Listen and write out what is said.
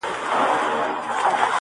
د هر مسجد و مخته پر سجده پروت وي~